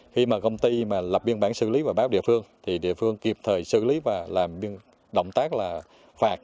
khi mà công ty mà lập biên bản xử lý và báo địa phương thì địa phương kịp thời xử lý và làm động tác là phạt